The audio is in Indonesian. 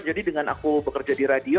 jadi dengan aku bekerja di radio